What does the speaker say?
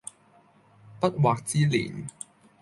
不惑之年